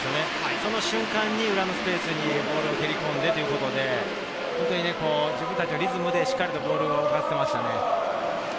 その瞬間に裏のスペースにボールを蹴り込んでということで、自分たちのリズムでしっかりとボールを動かしましたね。